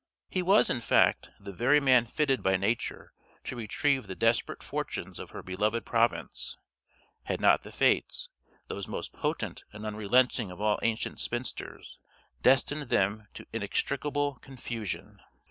He was, in fact, the very man fitted by Nature to retrieve the desperate fortunes of her beloved province, had not the Fates, those most potent and unrelenting of all ancient spinsters, destined them to inextricable confusion.